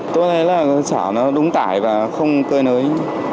tôi thấy là sở nó đúng tải và không cơi nới